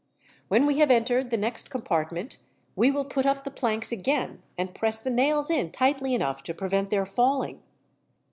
When we have entered the next compartment, we will put up the planks again, and press the nails in tightly enough to prevent their falling.